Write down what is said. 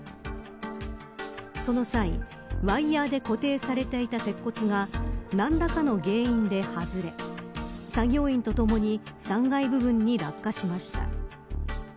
その際、ワイヤで固定されていた鉄骨が何らかの原因で外れ作業員とともに３階部分に落下しました。